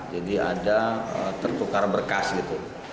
jadi ada tertukar berkas gitu